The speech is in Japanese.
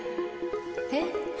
えっ？